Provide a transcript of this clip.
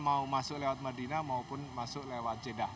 mau masuk lewat medinah maupun masuk lewat jeddah